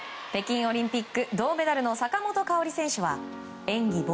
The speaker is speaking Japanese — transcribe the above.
北京オリンピック銅メダルの坂本花織選手は演技